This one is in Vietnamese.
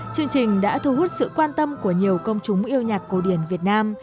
chương trình đã thu hút sự quan tâm của nhiều công chúng yêu nhạc cổ điển việt nam